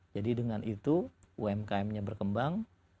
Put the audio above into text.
jadi dengan itu umkmnya berkembang